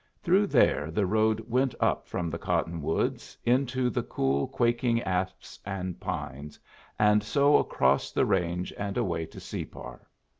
Through there the road went up from the cotton woods into the cool quaking asps and pines, and so across the range and away to Separ.